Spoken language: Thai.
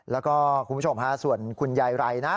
แล้วก็คุณผู้ชมฮะส่วนคุณยายไรนะ